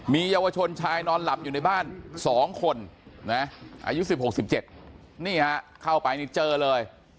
มีเยาวชนชายนอนหลับอยู่ในบ้านสองคนนะอายุสิบหกสิบเจ็ดนี่ฮะเข้าไปนี่เจอเลย